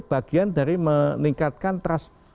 bagian dari meningkatkan trust